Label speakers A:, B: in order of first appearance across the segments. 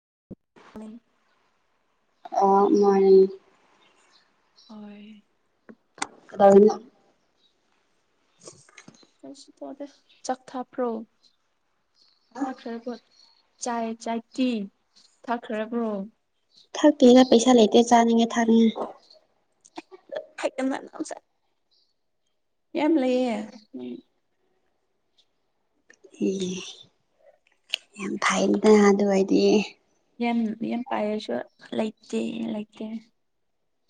A: [inaudible]
B: ꯑꯣ ꯃꯥꯅꯤ
A: ꯍꯣꯏ ꯑꯗꯨ
B: ꯀꯩꯗꯧꯔꯤꯅꯣ [inaudible]
A: ꯀꯩꯁꯨ ꯇꯧꯗꯦ ꯆꯥꯛ ꯊꯥꯛꯄ꯭ꯔꯣ ꯊꯥꯛꯈ꯭ꯔꯦ ꯍꯣꯏ ꯆꯥꯏ ꯆꯥꯏꯇꯤ ꯊꯛꯈ꯭ꯔꯕ꯭ꯔꯣ
B: ꯊꯛꯇꯦꯗ ꯄꯩꯁꯥ ꯂꯩꯇꯦ ꯆꯥꯅꯤꯡꯉꯦ ꯊꯥꯅꯤꯡꯉꯦ
A: [inaudible] ꯌꯥꯝ ꯂꯩꯌꯦ ꯎꯝ
B: ꯑꯦ ꯌꯥꯝ ꯐꯩꯗ ꯑꯗꯨ ꯑꯣꯏꯗꯤ
A: ꯌꯥꯝ ꯌꯥꯝ ꯄꯥꯏꯔꯁꯨ ꯂꯩꯇꯦ ꯂꯩꯇꯦ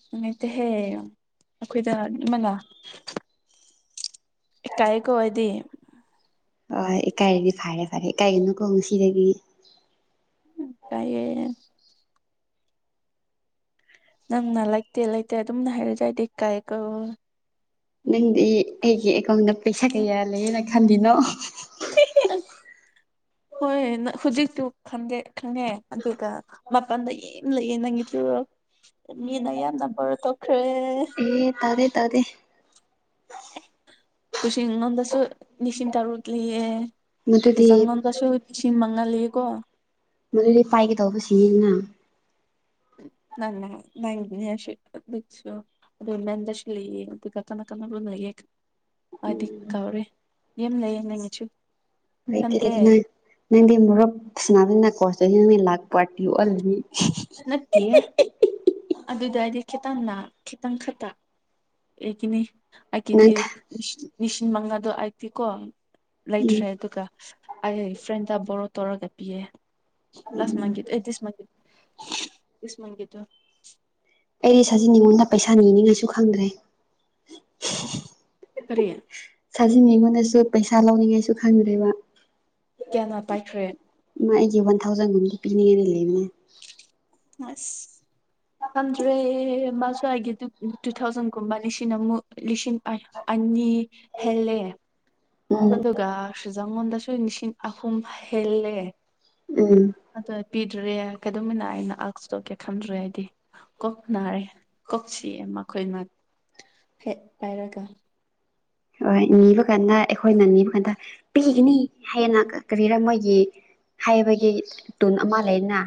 A: ꯅꯨꯡꯉꯥꯏꯇꯦꯍꯦ ꯑꯈꯣꯏꯗ ꯑꯗꯨꯃꯥꯏꯅ ꯏꯀꯥꯏꯌꯦꯀꯣ ꯑꯩꯗꯤ
B: ꯑꯥ ꯍꯣꯏ ꯏꯀꯥꯏꯔꯗꯤ ꯐꯔꯦ ꯐꯔꯦ ꯏꯀꯥꯏꯒꯅꯨꯀꯣ ꯉꯥꯁꯤꯗꯒꯤ
A: ꯏꯀꯥꯏꯌꯦ ꯅꯪꯅ ꯂꯩꯇꯦ ꯂꯩꯇꯦ ꯗꯨꯝꯅ ꯍꯥꯏꯔꯖꯨ ꯑꯩꯗꯤ ꯏꯀꯥꯏꯌꯦ ꯀꯣ
B: ꯅꯪꯗꯤ ꯑꯩꯒꯤ ꯑꯦꯀꯥꯎꯟꯗ ꯄꯩꯁꯥ ꯀꯌꯥ ꯂꯩꯌꯦꯅ ꯈꯜꯂꯤꯅꯣ ꯍꯣꯍꯣꯍꯣ
A: [unintelligible] ꯍꯣꯏ ꯍꯨꯖꯤꯛꯇꯨ ꯈꯪꯗꯦ ꯈꯪꯉꯦ ꯑꯗꯨꯒ ꯃꯄꯥꯟꯗ ꯌꯦꯡ ꯂꯩꯌꯦ ꯅꯪꯒꯤꯁꯨ ꯃꯤꯅ ꯌꯥꯝꯅ ꯕꯣꯔ ꯇꯧꯈ꯭ꯔꯦ
B: ꯑꯦ ꯇꯧꯗꯦ ꯇꯧꯗꯦ
A: ꯑꯦ ꯀꯨꯁꯤꯟ ꯅꯪꯉꯣꯟꯗꯁꯨ ꯅꯤꯁꯤꯝ ꯇꯔꯨꯛꯀꯤꯌꯦ
B: ꯃꯗꯨꯗꯤ
A: ꯑꯦꯖꯥꯡ ꯅꯪꯉꯣꯟꯗꯁꯨ ꯂꯤꯁꯤꯡ ꯃꯉꯥ ꯂꯩꯌꯦꯀꯣ
B: ꯃꯗꯨꯗꯤ ꯄꯥꯏꯒꯗꯧꯕꯁꯤꯅꯤꯅ
A: ꯎꯝ ꯅꯪꯅ ꯅꯪꯒꯤꯅꯦꯁꯨ ꯑꯗꯨꯒꯤꯁꯨ ꯑꯗꯨ ꯃꯦꯝꯗꯁꯨ ꯂꯩꯌꯦ ꯑꯗꯨꯒ ꯀꯥꯅ ꯀꯥꯅ ꯔꯣꯝ ꯂꯩꯌꯦ ꯑꯩꯗꯤ ꯀꯥꯎꯔꯦ ꯌꯥꯝ ꯂꯩꯌꯦ ꯅꯪꯒꯤꯁꯨ
B: ꯂꯩꯇꯦ
A: ꯈꯟꯗꯦ
B: ꯂꯩꯇꯦ ꯅꯪ ꯅꯪꯗꯤ ꯃꯣꯔꯣꯛ ꯁꯥꯟꯅꯕꯅꯤꯅ ꯀꯣꯔꯁꯇꯨꯗꯤ ꯅꯪꯅ ꯂꯥꯛꯄꯥꯔꯇꯤ ꯑꯣꯍꯜꯂꯅꯤ
A: ꯅꯠꯇꯤꯌꯦ ꯑꯗꯨꯗꯥꯏꯗꯤ ꯀꯦꯠ ꯇꯅ ꯈꯤꯇꯪ ꯈꯛꯇ ꯑꯩꯒꯤꯅꯦ ꯑꯩꯒꯤꯗꯤ
B: ꯅꯪ
A: ꯂꯤꯁꯤꯡ ꯃꯉꯥꯗꯣ ꯑꯩꯒꯤꯗꯤꯀꯣ
B: ꯎꯝ
A: ꯂꯩꯇ꯭ꯔꯦ ꯑꯗꯨꯒ ꯑꯩ ꯐ꯭ꯔꯦꯟꯗ ꯕꯣꯔꯣ ꯇꯧꯔꯒ ꯄꯤꯌꯦ ꯂꯥꯁ ꯃꯟꯒꯤꯗꯣ ꯑꯩ ꯗꯤꯁ ꯃꯟꯒꯤ ꯍꯝ ꯗꯤꯁ ꯃꯟꯒꯤꯗꯨ
B: ꯑꯩꯗꯤ ꯁꯥꯖꯤ ꯅꯤꯉꯣꯟꯗ ꯄꯩꯁꯥ ꯅꯤꯅꯤꯡꯉꯥꯏꯁꯨ ꯈꯪꯗ꯭ꯔꯦ
A: ꯀꯔꯤ
B: ꯁꯥꯖꯤꯅꯤꯡꯉꯣꯟꯗꯁꯨ ꯄꯩꯁꯥ ꯂꯧꯅꯤꯡꯉꯥꯏꯁꯨ ꯈꯪꯗ꯭ꯔꯦꯕ
A: ꯀꯌꯥꯅ ꯄꯥꯏꯈ꯭ꯔꯦ
B: ꯀꯦ ꯋꯥꯟ ꯊꯥꯎꯖꯟꯒꯨꯝꯕꯗꯤ ꯄꯤꯅꯤꯡꯉꯥꯢ ꯂꯩꯕꯅꯦ
A: ꯑꯁ ꯈꯪꯗ꯭ꯔꯦ ꯃꯥꯁꯨ ꯑꯩꯒꯤ ꯇꯨ ꯇꯨ ꯊꯥꯎꯖꯟꯒꯨꯝꯕ ꯂꯤꯁꯤꯡ ꯑꯃꯨꯛ ꯂꯤꯁꯤꯡ ꯑꯥꯢ ꯑꯥꯢ ꯍꯨꯝꯅꯤ ꯍꯦꯜꯂꯦ
B: ꯎꯝ
A: ꯑꯗꯨꯒ ꯁꯨꯖꯉꯣꯟꯗꯁꯨ ꯂꯤꯁꯤꯡ ꯑꯍꯨꯝ ꯍꯦꯜꯂꯦ
B: ꯎꯝ
A: ꯑꯗꯨ ꯄꯤꯗ꯭ꯔꯦ ꯀꯩꯗꯧꯃꯤꯟꯅ ꯑꯩꯅ ꯑꯛꯁ ꯇꯧꯒꯦ ꯈꯟꯗ꯭ꯔꯦ ꯍꯥꯏꯗꯤ ꯀꯣꯛ ꯅꯥꯔꯦ ꯀꯣꯛ ꯆꯤꯛꯑꯦ ꯃꯈꯣꯏꯅ ꯍꯦꯛ ꯄꯥꯏꯔꯒ
B: ꯍꯣꯏ ꯅꯤꯕ ꯀꯥꯟꯗ ꯑꯩꯈꯣꯏꯅ ꯅꯤꯕ ꯀꯥꯟꯗ ꯄꯤꯒꯅꯤ ꯍꯥꯢꯌꯦꯟꯅ ꯀꯔꯤꯔ ꯃꯣꯏ ꯒꯤ ꯍꯥꯏꯕꯒꯤ ꯇꯨꯟ ꯑꯃ ꯂꯩꯗꯅ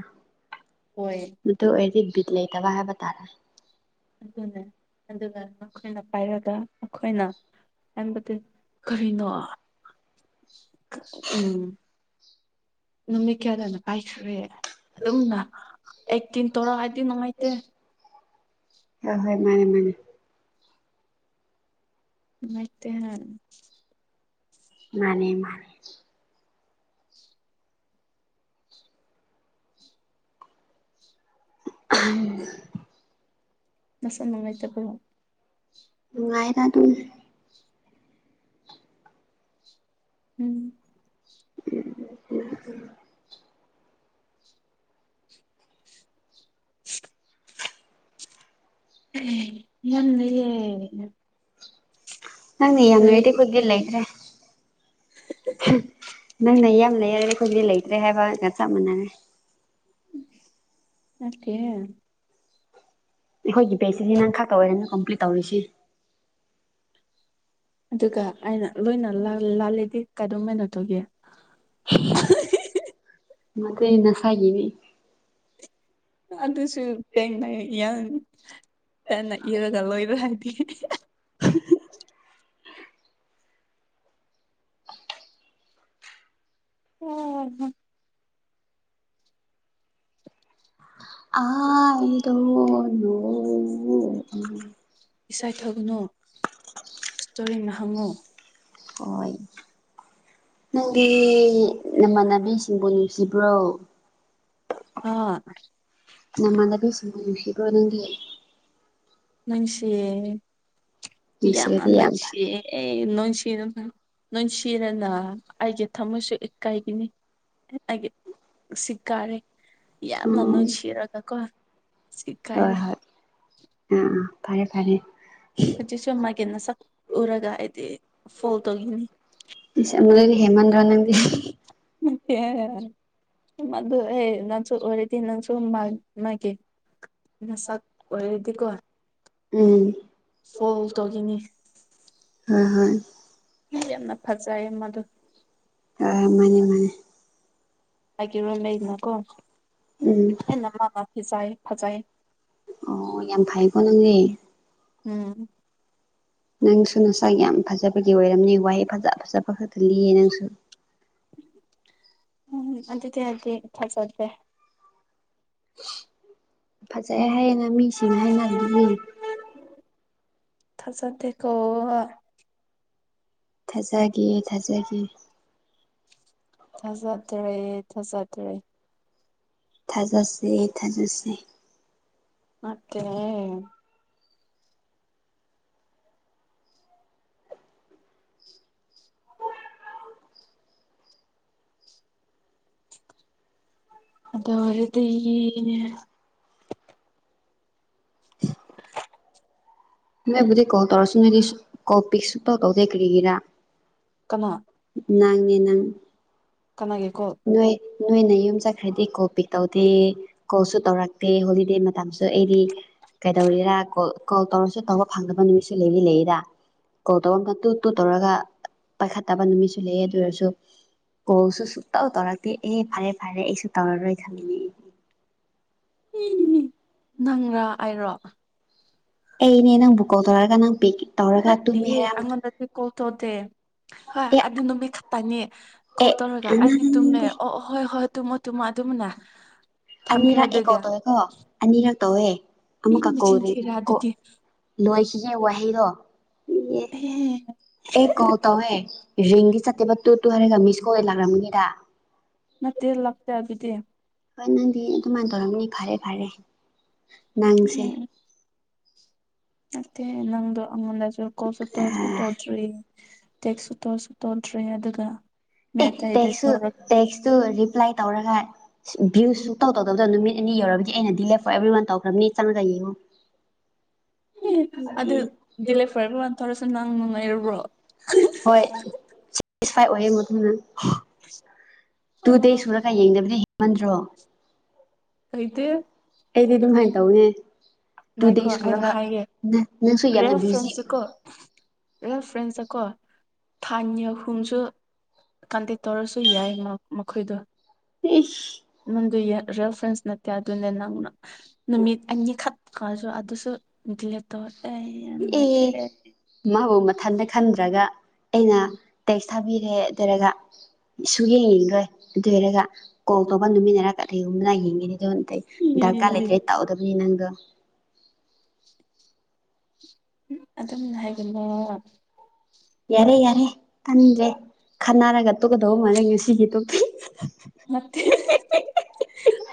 A: ꯍꯣꯏ
B: ꯑꯗꯨ ꯑꯣꯏꯔꯗꯤ ꯕꯤꯠ ꯂꯩꯇꯕ ꯍꯥꯢꯕꯇꯥꯔꯦ
A: ꯑꯗꯨꯅꯦ ꯑꯗꯨꯒ ꯅꯈꯣꯏꯅ ꯄꯥꯏꯔꯒ ꯑꯩꯈꯣꯏꯅ ꯍꯥꯏꯕꯗꯤ ꯀꯔꯤꯅꯣ ꯎꯝ ꯅꯨꯃꯤꯠ ꯀꯌꯥꯗꯅ ꯄꯥꯏꯈꯔꯦ ꯑꯗꯨꯝꯅ ꯑꯦꯛꯇꯤꯡ ꯇꯧꯔꯛꯑꯗꯤ ꯅꯨꯡꯉꯥꯏꯇꯦ
B: ꯍꯣꯢ ꯍꯣꯏ ꯃꯥꯅꯦ ꯃꯥꯅꯦ
A: ꯅꯨꯡꯉꯥꯢꯇꯦꯍꯦ
B: ꯃꯥꯅꯦ ꯃꯥꯅꯦ ꯑꯍꯝ
A: ꯅꯥꯁꯥ ꯅꯨꯡꯉꯥꯢꯇꯕ꯭ꯔꯣ
B: ꯅꯨꯡꯉꯥꯏꯌꯦꯗ ꯑꯗꯨꯨꯝ
A: ꯎꯝ
B: ꯎꯝ ꯎ
A: [inaudible] ꯌꯥꯝ ꯂꯩꯌꯦ
B: ꯅꯪꯅ
A: ꯀꯔꯤ
B: ꯌꯥꯝꯔꯗꯤ
A: ꯏꯒꯤ
B: ꯈꯣꯢꯗꯤ ꯂꯩꯈ꯭ꯔꯦ ꯍꯥ ꯅꯪꯅ ꯌꯥꯝ ꯂꯩꯔꯔꯦ ꯑꯩꯈꯣꯏꯗꯤ ꯂꯩꯇ꯭ꯔꯦ ꯍꯥꯏꯕꯒ ꯆꯞ ꯃꯥꯟꯅꯔꯦ
A: ꯅꯠꯇꯦ
B: ꯑꯩꯈꯣꯏꯒꯤ ꯚꯦꯁ ꯁꯤꯗꯤ ꯅꯪꯈꯥꯛꯇ ꯑꯣꯏꯔꯝꯅꯤ ꯀꯝꯄ꯭ꯂꯤꯠ ꯇꯧꯔꯤꯁꯤ
A: ꯑꯗꯨꯒ ꯑꯩꯅ ꯂꯣꯏꯅ ꯂꯥꯜ ꯂꯥꯂꯦꯗꯤ ꯀꯗꯧ ꯃꯩꯅꯣ ꯇꯨꯒꯤ ꯑꯍꯥꯍꯤꯍꯤ
B: ꯃꯗꯨꯗꯤ ꯅꯁꯥꯒꯤꯅꯦ
A: ꯑꯗꯨꯁꯨꯄꯦꯡꯅ ꯌꯥ [unintelligible] ꯍꯥꯍꯥꯍꯥ ꯎꯝ
B: ꯑꯥꯢ ꯗꯣꯟ ꯅꯣ ꯎ
A: ꯏꯁꯥꯏ ꯊꯥꯒꯅꯣ ꯏꯁꯇꯣꯔꯤꯅ ꯍꯪꯉꯨ
B: ꯍꯣꯏ ꯅꯪꯗꯤ ꯅꯃꯥꯟꯅꯕꯤꯁꯤꯡꯕꯨ ꯅꯨꯡꯁꯤꯕ꯭ꯔꯣ
A: ꯑꯥ
B: ꯅꯃꯥꯟꯅꯕꯤꯁꯤꯡꯕꯨ ꯅꯨꯡꯁꯣꯕ꯭ꯔꯣ ꯅꯪꯗꯤ
A: ꯅꯨꯡꯁꯤꯌꯦ ꯏꯌꯥꯝꯅ
B: ꯅꯨꯡꯁꯤꯔꯗꯤ ꯌꯥꯝ ꯐꯩ
A: ꯅꯨꯡꯁꯤꯌꯦ ꯅꯨꯡꯁꯤ ꯅꯨꯡꯁꯤꯅꯅ ꯑꯩꯒꯤ ꯊꯝꯃꯣꯏꯁꯨ ꯏ ꯀꯥꯏꯒꯤꯅꯤ ꯑꯩꯒꯤ ꯁꯤ ꯀꯥꯔꯦ ꯌꯥꯝꯅ
B: ꯎꯝ
A: ꯅꯨꯡꯁꯤꯔꯒ ꯀꯣ
B: ꯍꯣꯏ
A: ꯁꯤꯀꯥꯏꯔꯦ
B: ꯍꯣꯏ ꯑ ꯐꯔꯦ ꯐꯔꯦ
A: ꯍꯧꯖꯤꯛꯁꯨ ꯃꯥꯒꯤ ꯅꯁꯛ ꯎꯔꯒ ꯍꯥꯏꯗꯤ ꯐꯣꯜ ꯇꯧꯒꯤꯅꯤ
B: ꯍꯦꯃꯟꯗ꯭ꯔꯣ ꯅꯪꯗꯤ
A: ꯃꯗꯨ ꯑꯦ ꯅꯪꯁꯨ ꯑꯣꯔꯗꯤ ꯅꯪꯁꯨ ꯃꯥ ꯃꯥꯒꯤ ꯃꯁꯛ ꯑꯣꯏꯔꯗꯤꯀꯣ
B: ꯎꯝ
A: ꯐꯣꯜ ꯇꯧꯒꯤꯅꯤ
B: ꯍꯣꯏ ꯍꯣꯏ
A: ꯌꯥꯝꯅ ꯐꯖꯩ ꯃꯗꯨ
B: ꯑ ꯃꯅꯦ ꯃꯅꯦ
A: ꯍꯥꯏꯒꯤꯔꯣ ꯂꯩꯗꯅꯀꯣ
B: ꯎꯝ
A: ꯍꯦꯟꯅ ꯃꯥꯅ ꯐꯤ ꯆꯥꯏ ꯐꯖꯩ
B: ꯑꯣ ꯌꯥꯝ ꯐꯩꯌꯦꯀꯣ ꯅꯪꯗꯤ
A: ꯎꯝ
B: ꯅꯪꯁꯨ ꯉꯁꯥꯏ ꯌꯥꯝ ꯐꯖ ꯕꯒꯤ ꯑꯣꯏꯔꯝꯅꯤ ꯋꯥꯍꯩ ꯐꯖ ꯐꯖꯕ ꯈꯛꯇ ꯂꯤꯌꯦ ꯅꯪꯁꯨ
A: ꯎꯝ ꯑꯗꯨꯗꯗꯤ ꯊꯖꯗꯦ
B: ꯐꯖꯩ ꯍꯥꯏꯌꯦꯅ ꯃꯤꯁꯤꯡ ꯍꯥꯏꯅꯕꯗꯨꯗꯤ
A: ꯊꯥꯖꯗꯦꯀꯣ
B: ꯊꯥꯖꯒꯦ ꯊꯥꯖꯒꯦ
A: ꯊꯥꯖꯗꯦ ꯊꯥꯖꯗꯦ
B: ꯊꯥꯖꯁꯦ ꯊꯥꯖꯁꯦ
A: ꯅꯠꯇꯦꯍꯦ ꯑꯗꯣ ꯑꯣꯏꯔꯗꯤ
B: ꯅꯣꯏꯕꯨꯗꯤ ꯀꯧꯜ ꯇꯧꯔꯁꯨ ꯅꯣꯢꯗꯤ ꯀꯧ ꯄꯤꯛ ꯁꯨꯛꯇꯧ ꯇꯧꯗꯦ ꯀ꯭ꯔꯤꯒꯤꯔꯥ
A: ꯀꯅꯥ
B: ꯑꯉꯥꯡꯅꯦ ꯅꯪ
A: ꯀꯅꯥꯒꯤ ꯀꯣꯜ
B: ꯅꯣꯏ ꯅꯣꯏꯅ ꯌꯨꯝ ꯆꯠꯈ꯭ꯔꯗꯤ ꯀꯣꯄꯤ ꯇꯧꯗꯦ ꯀꯣꯜꯁꯨ ꯇꯧꯔꯛꯇꯦ ꯍꯣꯂꯤꯗꯦ ꯃꯇꯝꯁꯨ ꯑꯩꯗꯤ ꯀꯩꯗꯧꯔꯤꯔꯥ ꯀꯣꯜ ꯇꯧꯔꯁꯨ ꯇꯧꯕ ꯐꯪꯗꯕ ꯅꯨꯃꯤꯠꯁꯨ ꯂꯩꯗꯤ ꯂꯩꯌꯦꯗ ꯀꯣꯜ ꯇꯧꯔ ꯇꯨ ꯇꯨ ꯇꯧꯔꯒ ꯄꯥꯏꯈꯠꯇꯕ ꯅꯨꯃꯤꯠꯁꯨ ꯂꯩꯌꯦ ꯑꯗꯨ ꯑꯣꯏꯔꯁꯨ ꯀꯣꯜꯁꯨ ꯁꯨꯛꯇꯧ ꯇꯧꯔꯛꯇꯦ ꯑꯦ ꯐꯔꯦ ꯐꯔꯦ ꯑꯩꯁꯨ ꯇꯧꯔꯔꯣꯏ ꯈꯜꯂꯤꯅꯦ
A: ꯅꯪꯔꯥ ꯑꯩꯔꯣ
B: ꯑꯩꯅꯦ ꯅꯪ ꯕꯨꯀꯣꯜ ꯇꯧꯔꯥꯒ ꯅꯪ ꯄꯦꯀꯤ
A: ꯂꯠꯇꯦꯍꯦ ꯑꯩꯉꯣꯟꯗꯗꯤ ꯀꯣꯜꯊꯣꯛꯇꯦ ꯍꯣꯏ
B: ꯑꯦ
A: ꯑꯗꯨ ꯅꯨꯃꯤꯠ ꯈꯇꯥꯅꯤ
B: ꯑꯦ
A: ꯀꯣꯜ ꯇꯧꯔꯒ ꯑꯩꯗꯤ ꯇꯨꯝꯃꯦ ꯑꯣ ꯍꯣꯏ ꯍꯣꯏ ꯇꯨꯝꯃꯣ ꯇꯨꯝꯃꯣ ꯑꯗꯨꯝꯅ ꯊꯝꯈ꯭ꯔꯦ
B: ꯑꯅꯤꯔꯛ ꯑꯦ ꯀꯣꯜ
A: ꯑꯗꯨꯒ
B: ꯇꯧꯋꯦ ꯀꯣ ꯑꯅꯤꯔꯛ ꯇꯧꯋꯦ
A: ꯑꯩ
B: ꯑꯃꯨꯛꯀ
A: ꯃꯆꯤꯟ
B: ꯀꯣꯜꯔꯤ
A: ꯊꯤꯔꯦ
B: ꯀꯣ
A: ꯑꯗꯨꯗꯤ
B: ꯂꯣꯏꯈꯤꯒꯦ ꯋꯥꯍꯩꯗꯣ
A: ꯑꯦꯍꯦ
B: ꯑꯦ ꯀꯣꯜ ꯇꯧꯋꯦ ꯔꯤꯡꯗꯤ ꯆꯠꯇꯦꯕ ꯇꯨ ꯇꯨ ꯍꯥꯏꯔꯒ ꯃꯤꯁꯀꯣꯜꯗ ꯂꯥꯛꯔꯝꯒꯅꯤꯗ
A: ꯅꯠꯇꯦ ꯂꯥꯛꯇꯦ ꯑꯗꯨꯗꯤ
B: ꯍꯣꯏ ꯅꯪꯗꯤ ꯑꯗꯨꯃꯥꯏꯅ ꯇꯧꯔꯝꯅꯤ ꯐꯔꯦ ꯐꯔꯦ ꯅꯪꯁꯦ
A: ꯎꯝ ꯅꯠꯇꯦ ꯅꯪꯗꯣ ꯑꯩꯉꯣꯟꯗꯁꯨ ꯀꯣꯜꯁꯨ ꯇꯧꯁꯨ ꯇꯧꯗ꯭ꯔꯤ ꯇꯦꯛꯁꯨ ꯇꯣꯠꯁꯨ ꯇꯣꯗ꯭ꯔꯤ ꯑꯗꯨꯒ
B: ꯑꯦ
A: ꯃꯦꯇꯩꯗ
B: ꯇꯦꯛꯁꯁꯨ
A: ꯇꯧꯔꯛ
B: ꯇꯦꯛꯁꯇꯨ ꯔꯤꯄ꯭ꯂꯥꯏ ꯇꯧꯔꯒ ꯚ꯭ꯌꯨ ꯁꯨꯡ ꯇꯧ ꯇꯧꯗꯕꯗꯣ ꯅꯨꯃꯤꯠ ꯑꯦꯅꯤ ꯌꯧꯔꯒꯗꯤ ꯑꯩꯅ ꯗꯤ ꯂꯦ ꯐꯣꯔ ꯑꯦꯕ꯭ꯔꯤ ꯋꯥꯟ ꯇꯧꯈ꯭ꯔꯕꯅꯤ ꯆꯪꯉꯒ ꯌꯦꯡꯉꯨ
A: ꯑꯦ ꯑꯗꯨ ꯗꯤꯂꯦꯞ ꯐꯔꯕ ꯑꯦꯕ꯭ꯔꯤꯋꯥꯟ ꯇꯧꯔꯁꯨ ꯅꯪ ꯅꯨꯡꯉꯥꯏꯔꯨꯕ꯭ꯔꯣ
B: ꯍꯣꯏꯁꯦꯇꯤꯁꯐꯥꯏ ꯑꯣꯏꯌꯦ ꯃꯗꯨꯅ ꯇꯨ
A: ꯑꯣ
B: ꯗꯦꯁꯁꯨꯔ ꯀ ꯌꯦꯡꯗꯕꯅꯦ ꯍꯤꯡꯃꯟꯗ꯭ꯔꯣ
A: ꯂꯩꯇꯦ
B: ꯑꯩꯗꯤ ꯑꯗꯨꯝ ꯍꯥꯏꯅ ꯇꯧꯅꯦ ꯇꯨ
A: ꯉꯥꯏꯈꯣ
B: ꯗꯦꯖ
A: ꯑꯩꯅ
B: ꯁꯨꯔꯒ
A: ꯍꯥꯏꯒꯦ
B: ꯅꯪꯁꯨ ꯌꯥꯝꯅ ꯕꯤꯖꯤ ꯑꯣꯏ
A: ꯐ꯭ꯔꯦꯟꯁꯇ ꯀꯣ ꯊꯥꯅꯤ ꯑꯍꯨꯝꯁꯨ ꯀꯟꯇꯦꯛ ꯇꯧꯔꯁꯨ ꯌꯥꯏ ꯃꯈꯣꯏꯗꯣ
B: ꯏꯁ
A: ꯅꯪꯗꯨ ꯌꯦ ꯔꯦ ꯐ꯭ꯔꯦꯟꯁ ꯅꯠꯇꯦ ꯑꯗꯨ ꯅꯦ ꯅꯪꯅ ꯅꯨꯃꯤꯠ ꯑꯅꯤꯈꯛꯈꯁꯨ ꯑꯗꯨꯁꯨ ꯗꯤꯂꯦꯠ ꯇꯧ ꯑꯩ ꯌꯥꯝ
B: ꯑꯦ
A: ꯅꯨꯡꯉꯥꯏꯇꯦꯍꯦ
B: ꯃꯥꯕꯨ ꯃꯊꯟꯇ ꯈꯟꯗ꯭ꯔꯒ ꯑꯩꯅ ꯇꯦꯛꯁ ꯊꯥꯕꯤꯔꯦ ꯑꯗꯨꯔꯒ ꯁꯨꯛ ꯌꯦꯡꯅꯤꯡ ꯂꯣꯏ ꯑꯗꯨ ꯑꯣꯏꯔꯒ ꯀꯣꯜ ꯇꯧꯕ ꯅꯨꯃꯤꯟꯅꯔꯒ ꯀꯔꯤꯒꯨꯝꯕ ꯂ ꯌꯦꯡꯉꯅꯤꯗ ꯑꯩ ꯗꯔꯀꯥꯔ ꯂꯩꯇ꯭ꯔꯦ ꯇꯥꯎꯗꯕꯅꯤ ꯅꯪ ꯗ
A: ꯑꯗꯨꯝꯅ ꯍꯥꯏꯒꯅꯣ
B: ꯌꯥꯔꯦ ꯌꯥꯔꯦ ꯇꯥꯅꯤꯡꯗ꯭ꯔꯦ ꯈꯟꯅꯔꯒ ꯇꯨꯀꯗꯧꯕ ꯃꯥꯜꯂꯦ ꯉꯁꯤꯒꯤ ꯇꯣꯛꯇꯤ
A: ꯅꯠꯇꯦ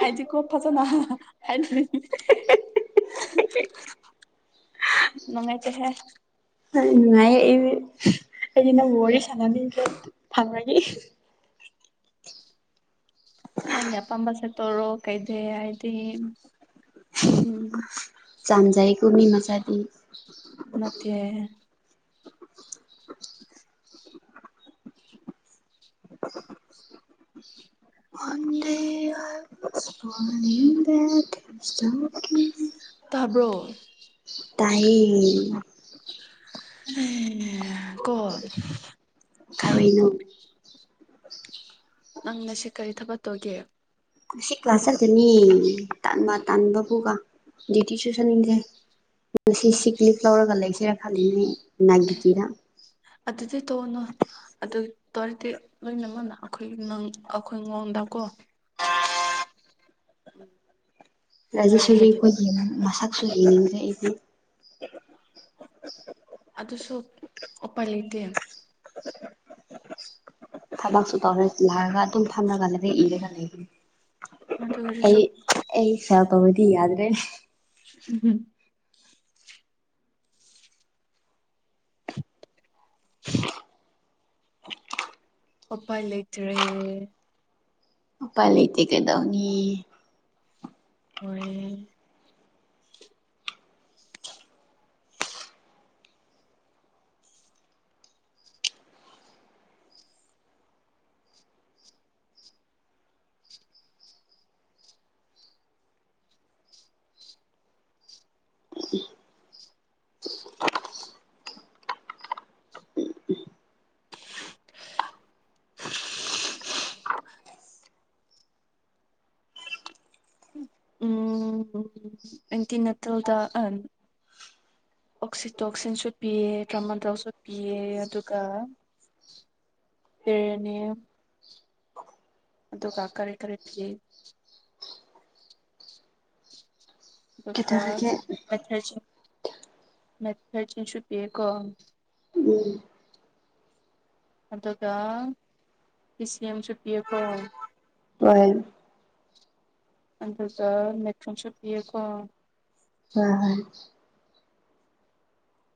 A: ꯑꯖꯤ ꯀꯣ ꯐꯖꯅ ꯍꯥꯏꯗꯤ ꯅꯨꯡꯉꯥꯏꯇꯦꯍꯦ
B: ꯅ ꯅꯨꯡꯉꯥꯏ ꯌꯦ ꯑꯦ ꯃꯦ ꯑꯩꯗꯤ ꯅꯪꯒ ꯋꯥꯔꯤ ꯁꯥꯅꯕꯤꯗ꯭ꯔꯦ ꯐꯕꯒꯤ
A: ꯅꯪꯒꯤ ꯑꯄꯥꯝꯕꯁꯦ ꯇꯧꯔꯣ ꯀꯩꯗꯦ ꯑꯩꯗꯤ
B: ꯆꯥꯟꯖꯥꯏꯒꯨꯝ ꯃꯤꯃꯆꯥꯥꯗꯤ
A: ꯅꯠꯇꯦꯍꯦ
B: [unintelligible] [unintelligible] ꯋꯥꯟꯗꯦ ꯍꯥꯏ ꯋꯥꯟꯅꯤꯡꯗꯦ ꯑꯥꯏ ꯋꯥꯁ ꯖꯣꯀꯤꯡ
A: ꯇꯥꯕ꯭ꯔꯣ
B: ꯇꯥꯏꯌꯦ
A: ꯍꯝ ꯀꯣ
B: ꯀꯔꯤꯅꯣ [unintelligible]
A: ꯅꯪꯅ ꯉꯁꯤ ꯀꯔꯤ ꯊꯕꯛ ꯇꯣꯒꯦ
B: ꯉꯁꯤ ꯀ꯭ꯂꯥꯁ ꯆꯠꯀꯅꯤ ꯇꯥꯟꯅ ꯇꯥꯟꯕꯕꯨꯒ ꯖꯤꯇꯤ ꯁꯨ ꯁꯅꯤꯡꯗꯦ ꯅ ꯁꯤ ꯁꯤ ꯂꯤꯞ ꯂꯧꯔꯒ ꯂꯩꯁꯤꯔꯥ ꯈꯜꯂꯤꯅꯦ ꯅꯥꯏꯒꯤꯇꯤꯔ
A: ꯑꯗꯨꯗꯤ ꯇꯧꯅꯨ ꯑꯗꯨ ꯇꯧꯔꯗꯤ ꯂꯣꯏꯅꯃꯛꯅ ꯑꯩꯈꯣꯏ ꯅꯪ ꯑꯩꯈꯣꯏꯉꯣꯟꯗꯀꯣ [unintelligible] ꯀꯔꯤ
B: ꯔꯥꯖꯦꯁꯣꯔꯤ
A: ꯍꯥꯏꯒꯦ
B: ꯈꯣꯏꯗꯤ ꯃꯁꯛ [unintelligible] ꯑꯩꯗꯤ
A: ꯑꯗꯨꯁꯨ ꯑꯣꯄꯥꯏ ꯂꯩꯇꯦ
B: ꯊꯕꯛꯁꯨ ꯇꯧꯔꯦ ꯂꯥꯛꯑꯒ ꯑꯗꯨꯝ ꯐꯝꯔꯒ ꯂꯩ ꯑꯩ ꯏꯔꯒ ꯂꯩꯒꯅꯤ
A: ꯑꯗꯨ
B: ꯑꯩ
A: ꯑꯣꯏꯔꯁꯨ
B: ꯑꯩ [unintelligible] ꯌꯥꯗ꯭ꯔꯦ
A: ꯎꯝ
B: [unintelligible] [inaudible]
A: ꯎꯄꯥꯏ ꯂꯩꯇ꯭ꯔꯦ
B: ꯎꯄꯥꯏ ꯂꯩꯇꯦ ꯀꯩꯗꯧꯅꯤ
A: ꯍꯣꯏ [unintelligible] [inaudible] ꯎꯝ ꯑꯦꯟꯇꯤ ꯅꯇꯤꯜꯗꯥ ꯑꯟ ꯑꯣꯛꯁꯤꯇꯣꯛꯁꯤꯟꯁꯨ ꯄꯤꯌꯦ ꯗ꯭ꯔꯃꯥꯗꯣꯜꯁꯨ ꯄꯤꯌꯦ ꯑꯗꯨꯒ ꯇꯦꯔꯦ ꯅꯦꯝ ꯑꯗꯨꯒ ꯀꯔꯤ ꯀꯔꯤ ꯐꯤ ꯑꯗꯨꯒ
B: ꯀꯩꯗꯧꯔꯒꯦ
A: [unintelligible] ꯄꯤꯌꯦꯀꯣ
B: ꯎꯝ
A: ꯑꯗꯨꯒ ꯏꯁꯦꯝꯁꯨ ꯄꯤꯌꯦꯀꯣ
B: ꯍꯣꯏ
A: ꯑꯗꯨꯒ [unintelligible] ꯇ꯭ꯔꯣꯟꯁꯨ ꯄꯤꯌꯦꯀꯣ
B: ꯍꯥ ꯍꯣꯏ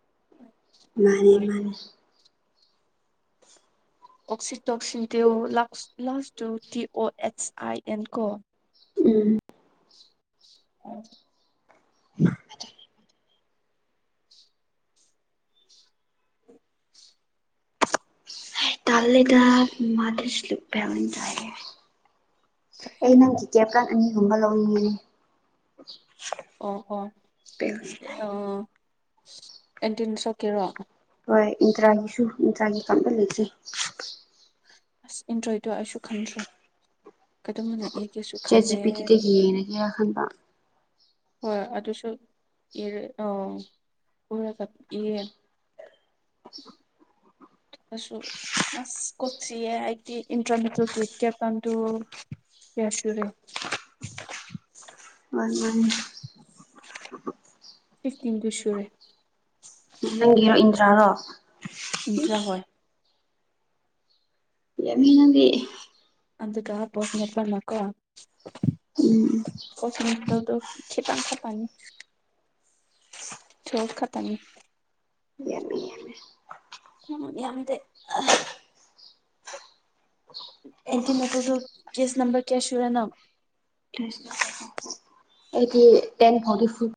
A: [inaudible]
B: ꯃꯥꯅꯦ ꯃꯥꯅꯦ
A: ꯑꯣꯛꯁꯤꯇꯣꯛꯁꯤꯟ ꯇ꯭ꯌꯨ ꯂꯥꯛꯁ plus two T O X I N ꯀꯣ
B: ꯎꯝ
A: [inaudible]
B: [inaudible] ꯇꯜꯂꯤꯗ [unintelligible] ꯑꯩ ꯅꯪꯒꯤ ꯇꯤꯇꯦꯞ ꯀꯥꯠ ꯑꯅꯤꯒꯨꯝꯕ ꯂꯧꯅꯤꯡꯉꯤꯅꯦ
A: ꯑꯣ ꯑꯣ ꯑꯣ ꯑꯦꯟꯇꯤꯟ ꯁꯣꯛꯀꯤꯔꯣ
B: ꯍꯣꯏ ꯏꯟꯇ꯭ꯔꯥꯒꯤꯁꯨ ꯏꯟꯇ꯭ꯔꯥꯒꯤ ꯀꯝꯇ ꯂꯩꯇꯦ
A: ꯑꯁ ꯏꯟꯇ꯭ꯔꯣꯏꯗꯣ ꯑꯩꯁꯨ ꯈꯪꯗ꯭ꯔꯦ [unintelligible]
B: ꯆꯦꯠ ꯖꯤ
A: ꯈꯪꯗꯦ
B: ꯄꯤ ꯇꯤꯗ ꯌꯦꯡꯉꯒꯦ ꯈꯟꯕ
A: ꯍꯣꯏ ꯑꯗꯨꯁꯨ ꯏꯔꯦ ꯑꯥ ꯄꯨꯔꯒ ꯏꯌꯦ
B: [inaudible]
A: ꯑꯁꯨ ꯑꯁ ꯀꯣꯛ ꯆꯤꯛꯑꯦ [unintelligible] ꯀꯌꯥ ꯁꯨꯔꯦ
B: ꯃꯥꯅꯦ ꯃꯥꯅꯦ
A: ꯏꯁ ꯇꯤꯟꯗꯨ ꯁꯨꯔꯦ
B: ꯅꯪꯒꯤꯔꯣ ꯏꯟꯗ꯭ꯔꯥꯔꯣ
A: ꯏꯟꯇ꯭ꯔꯥ ꯍꯣꯏ
B: [unintelligible] ꯅꯪꯗꯤ
A: ꯑꯗꯨꯗ ꯄꯣꯁ [unintelligible]
B: ꯎꯝ
A: [unintelligible] ꯈꯤꯇꯪ ꯈꯛꯇꯅꯦ ꯇꯋꯦꯜꯚ ꯈꯛꯇꯅꯤ
B: ꯌꯥꯝꯃꯦ ꯌꯥꯝꯃꯦ
A: ꯌꯥꯝ ꯌꯥꯝꯗꯦ ꯑꯥ ꯑꯦꯟꯇꯤ ꯅꯇꯜꯗꯣ ꯀꯦꯁ ꯅꯝꯕꯔ ꯀꯌꯥ ꯁꯨꯔꯦ ꯅꯪ
B: ꯑꯩꯗꯤ ꯇꯦꯟ ꯐꯥꯎꯗꯤ ꯐꯨ